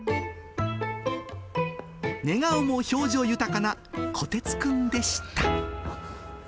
寝顔も表情豊かな、こてつくんでした。